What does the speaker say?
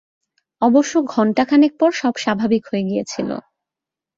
অবশ্য ঘন্টাখানেক পর সব স্বাভাবিক হয়ে গিয়েছিল।